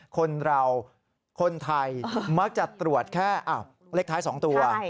คนเราคนไทยมักจะตรวจแค่เลขท้าย๒ตัว